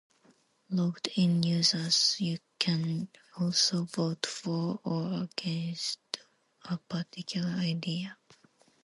Logged in users can also vote "for" or "against" a particular idea.